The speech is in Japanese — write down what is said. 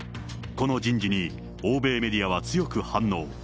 この人事に欧米メディアは強く反応。